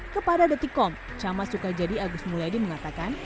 kepada detikom camas sukajadi agus mulyadi mengatakan